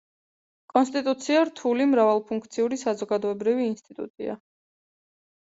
კონსტიტუცია რთული მრავალფუნქციური საზოგადოებრივი ინსტიტუტია.